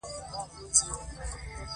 د هغه غوږونه نه وو او ډاکتران ناهيلي وو.